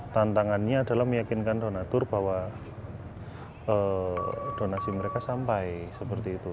tantangannya adalah meyakinkan donatur bahwa donasi mereka sampai seperti itu